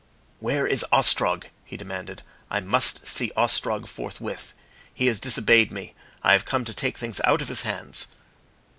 "Where is Ostrog?" he demanded. "I must see Ostrog forthwith. He has disobeyed me. I have come back to take things out of his hands."